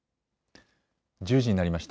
１０時になりました。